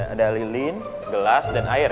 ada lilin gelas dan air